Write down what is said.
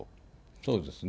そうですね。